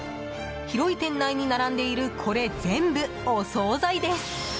広い店内に並んでいるこれ全部お総菜です。